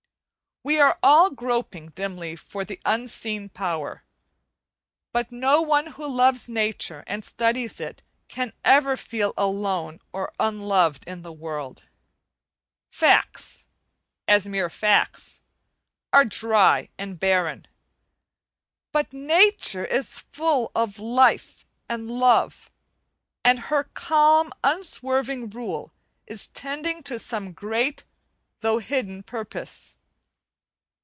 We are all groping dimly for the Unseen Power, but no one who loves nature and studies it can ever feel alone or unloved in the world. Facts, as mere facts, are dry and barren, but nature is full of life and love, and her calm unswerving rule is tending to some great though hidden purpose.